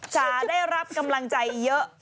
จ๋าได้รับกำลังใจเยอะ